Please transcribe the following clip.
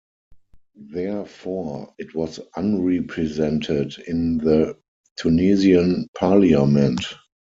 Therefore, it was unrepresented in the Tunisian parliament.